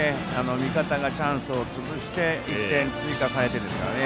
味方がチャンスをつぶして１点追加されてですから。